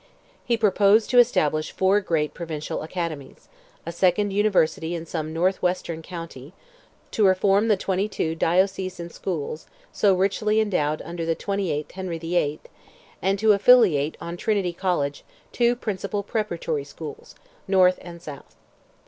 He proposed to establish four great provincial academies, a second university in some north western county, to reform the twenty two diocesan schools, so richly endowed under the 28th Henry VIII., and to affiliate on Trinity College two principal preparatory schools, north and south.